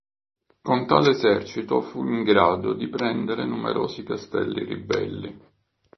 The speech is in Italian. Con tale esercito fu in grado di prendere numerosi castelli ribelli.